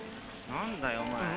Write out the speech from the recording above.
何だよお前。